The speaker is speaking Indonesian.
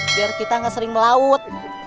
biar kita nggak sering melaut